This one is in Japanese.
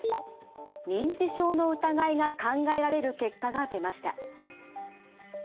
認知症の疑いが考えられる結果が出ました。